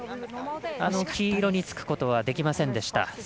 あの黄色につくことはできませんでした。